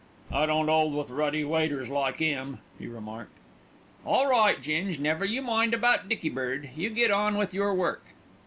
"I don't 'old with ruddy waiters, like 'im," he remarked. "All right, Ging, never you mind about Dicky Bird, you get on with your work."